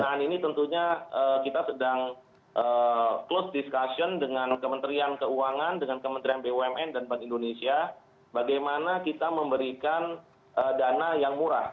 pendidikan ini tentunya kita sedang close discussion dengan kementerian keuangan dengan kementerian bumn dan bank indonesia bagaimana kita memberikan dana yang murah